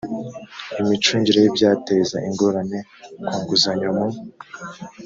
imicungire y’ibyateza ingorane ku nguzanyo mu